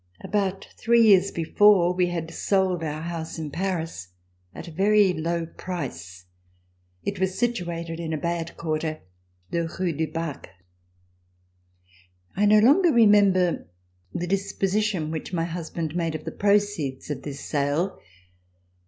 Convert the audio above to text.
About three years before we had sold our house in Paris at a very low price. It was situated in a bad quarter, the Rue du Bac. I no longer remember the disposition which my husband made of the proceeds of this sale.